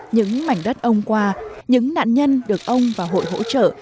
những mảnh đất ông qua những nạn nhân được ông và hội hỗ trợ